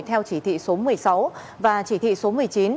theo chỉ thị số một mươi sáu và chỉ thị số một mươi chín